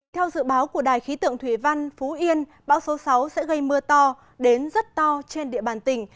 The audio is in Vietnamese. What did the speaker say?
theo dự báo của đài khí tượng thủy văn phú yên bão số sáu sẽ gây mưa to đến rất to trên địa bàn tỉnh